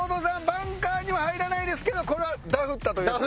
バンカーには入らないですけどこれはダフったという。